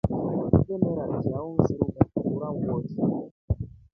Utemela chao mfiri isata wefa.